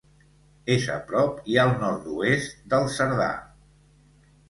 És a prop i al nord-oest del Cerdà.